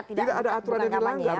tidak ada aturan yang dilanggar